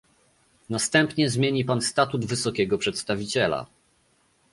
Następnie zmieni pan statut Wysokiego Przedstawiciela